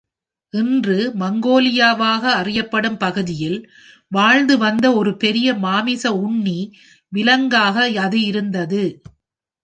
இன்று மங்கோலியாவாக அறியப்படும் பகுதியில் வாழ்ந்து வந்த ஒரு பெரிய மாமிச உண்ணி விலங்காக அது இருந்தது.